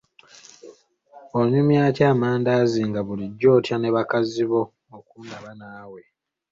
Onyumya ki amandaazi nga bulijjo otya ne bakazi bo okundaba naawe.